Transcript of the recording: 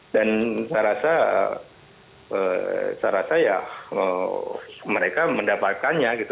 dan saya rasa ya mereka mendapatkannya gitu